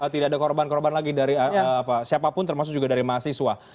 tidak ada korban korban lagi dari siapapun termasuk juga dari mahasiswa